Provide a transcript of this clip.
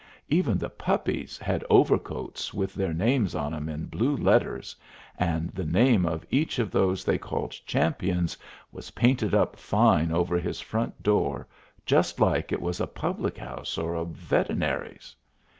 Even the puppies had overcoats with their names on 'em in blue letters, and the name of each of those they called champions was painted up fine over his front door just like it was a public house or a veterinary's.